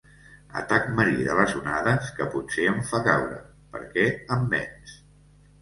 Atac marí de les onades que potser em fa caure, perquè em venç.